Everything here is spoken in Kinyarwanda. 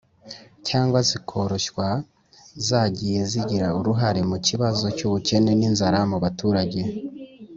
cyangwa zikoroshywa zagiye zigira uruhare mu kibazo cy’ ubukene n’ inzara mu baturage.